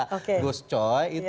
itu untuk membangun sistem politik ini